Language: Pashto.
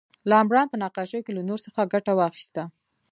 رامبراند په نقاشۍ کې له نور څخه ګټه واخیسته.